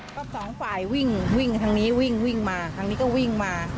ก็สองฝ่ายวิ่งวิ่งทางนี้วิ่งวิ่งมาทางนี้ก็วิ่งมา